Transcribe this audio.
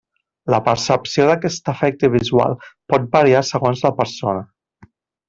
La percepció d'aquest efecte visual pot variar segons la persona.